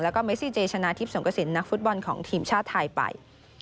และเมซิเจชนะทิพย์สวงกระศิลป์นักฟุตบอลของทีมชาติไทยไป